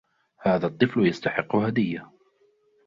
هذا الطفل يستحق هدية.